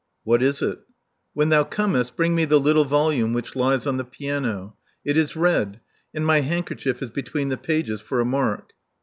•*Whatisit?" When thou comest, bring me the little volume which lies on the piano. It is red; and my handker chief is between the pages for a mark."